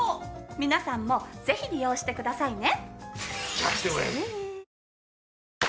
皆さんもぜひ利用してくださいね！